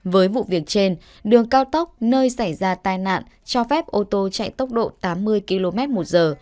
với vụ việc trên đường cao tốc nơi xảy ra tai nạn cho phép ô tô chạy tốc độ tám mươi km một giờ